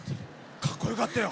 かっこよかったよ。